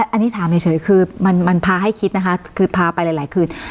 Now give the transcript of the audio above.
อันนี้ถามเฉยคือมันพาให้คิดนะคะคือพาไปหลายคืน